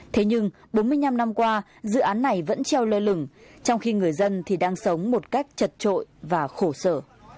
thế nhưng bốn mươi năm năm qua dự án này vẫn treo lơ lửng trong khi người dân thì đang sống một cách chật trội và khổ sở